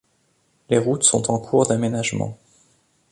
Les routes sont en cours d'aménagement.